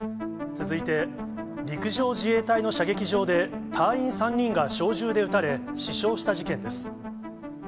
続いて、陸上自衛隊の射撃場で、隊員３人が小銃で撃たれ、死傷した事件です。